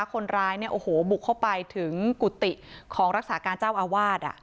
คนร้ายเนี่ยโอ้โหบุกเข้าไปถึงกุฏิของรักษาการเจ้าอาวาส